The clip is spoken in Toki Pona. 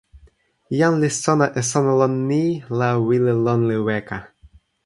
jan li sona e sona lon ni la wile lon li weka.